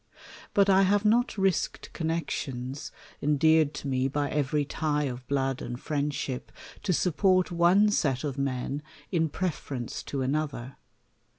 But I have not risked connexions, en deared to me by every tie of blood and friendship, to support one set of men in preference to another.